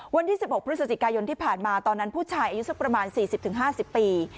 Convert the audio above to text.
วันที่๑๖พฤศจิกายนที่ผ่านมาตอนนั้นผู้ชายอายุสักประมาณ๔๐๕๐ปี